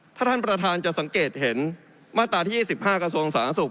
ถ้าท่านประธานจะสังเกตเห็นมาตราที่๒๕กระทรวงสาธารณสุข